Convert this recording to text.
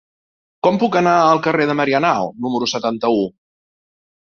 Com puc anar al carrer de Marianao número setanta-u?